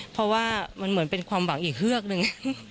เพราะว่ามันเหมือนเป็นความหวังอีกเฮือกนึง